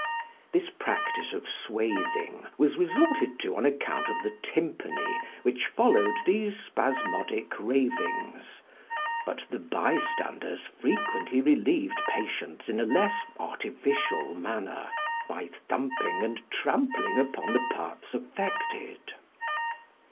This practice of swathing was resorted to on account of the tympany which followed these spasmodic ravings, but the bystanders frequently relieved patients in a less artificial manner, by thumping and trampling upon the parts affected.